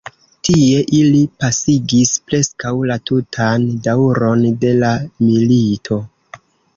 Tie ili pasigis preskaŭ la tutan daŭron de la milito.